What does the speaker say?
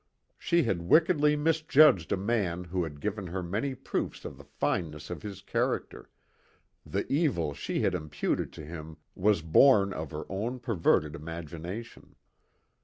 She had wickedly misjudged a man who had given her many proofs of the fineness of his character; the evil she had imputed to him was born of her own perverted imagination.